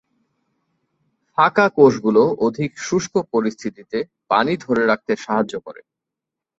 ফাঁকা কোষগুলো অধিক শুষ্ক পরিস্থিতিতে পানি ধরে রাখতে সাহায্য করে।